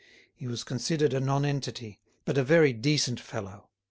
He was considered a nonentity, but a very decent fellow.